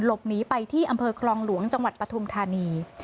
หลบหนีไปที่อำเภอคลองหลวงจังหวัดปฐุมธานี